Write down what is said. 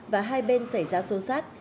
và hai bên xảy ra xô xát